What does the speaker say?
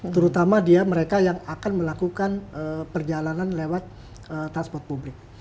terutama dia mereka yang akan melakukan perjalanan lewat transport publik